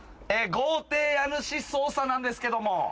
豪邸家主捜査ですけども。